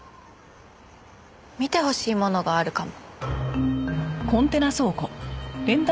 見てほしいものがあるかも。